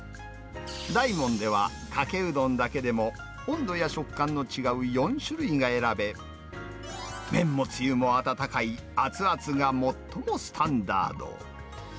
大門では、かけうどんだけでも、温度や食感の違う４種類が選べ、麺もつゆも温かい、あつあつが最もスタンダード。